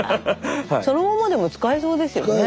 そのままでも使えそうですよね？